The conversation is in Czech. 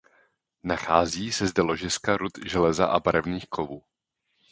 Nachází se zde ložiska rud železa a barevných kovů.